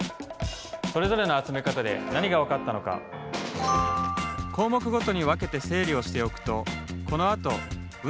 それぞれの集め方で何がわかったのかこうもくごとに分けて整理をしておくとこのあと分析がしやすくなります。